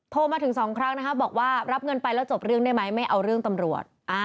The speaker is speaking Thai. โทรมาถึง๒ครั้งนะคะบอกว่ารับเงินไปแล้วจบเรื่องได้ไหมไม่เอาเรื่องตำรวจ